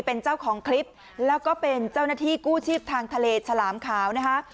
เป็นเจ้าของคลิปแล้วก็เป็นเจ้าหน้าที่กู้ชีพทางทะเลฉลามขาวนะคะ